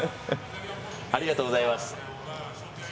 ありがとうございます。